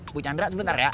bu chandra sebentar ya